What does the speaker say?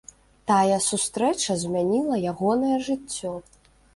Тая сустрэча змяніла ягонае жыццё.